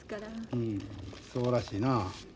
うんそうらしいな。